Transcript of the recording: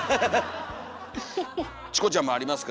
チコちゃんもありますか？